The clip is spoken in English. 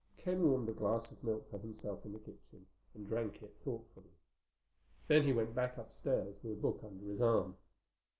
Ken warmed a glass of milk for himself in the kitchen and drank it thoughtfully. Then he went back upstairs, with a book under his arm.